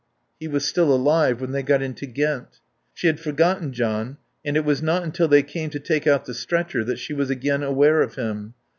He was still alive when they got into Ghent. She had forgotten John and it was not until they came to take out the stretcher that she was again aware of him.